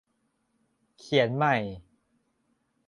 เขียนใหม่